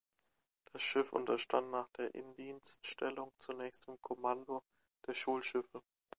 Das Schiff unterstand nach der Indienststellung zunächst dem Kommando der Schulschiffe.